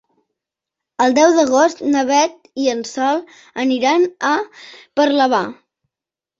El deu d'agost na Beth i en Sol aniran a Parlavà.